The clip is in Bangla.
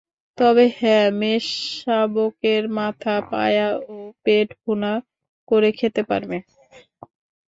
তবে হ্যাঁ, মেষশাবকের মাথা, পায়া ও পেট ভুনা করে খেতে পারবে।